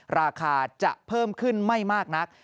ราคาจะเพิ่มขึ้นไม่มากนัก